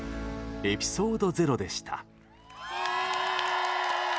エピソードゼロでした。